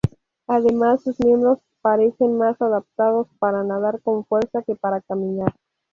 Además sus miembros parecen más adaptados para nadar con fuerza que para caminar.